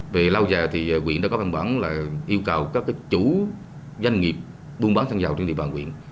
vì lâu giờ thì quỹ đã có tham bản là yêu cầu các chủ doanh nghiệp buôn bán xăng dầu trên địa bàn quỹ